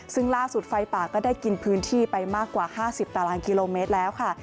ซึ่งล่าสุดไฟป่าก็ได้กินพื้นที่ไปมากกว่า๕๐ตารางกิโลเมตรแล้วค่ะ